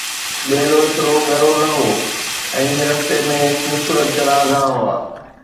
ٻيلو ايترو ڳرو نه هو ۽ رستي ۾ خوبصورت چراگاهه هئا